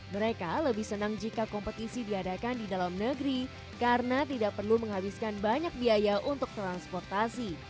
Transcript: mereka lebih senang jika kompetisi diadakan di dalam negeri karena tidak perlu menghabiskan banyak biaya untuk transportasi